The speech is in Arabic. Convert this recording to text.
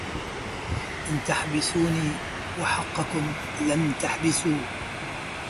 إن تحبسوني وحقكم لن تحبسوا